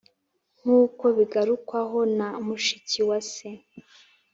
nk’uko bigarukwaho na mushikiwase.